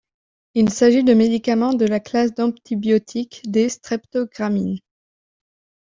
Il s'agit de médicaments de la classe d'antibiotique des streptogramines.